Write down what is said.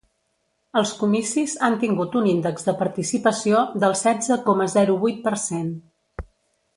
Els comicis han tingut un índex de participació del setze coma zero vuit per cent.